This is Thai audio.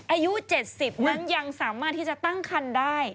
อายุ๗๐มั้งยังสามารถที่จะตั้งคันได้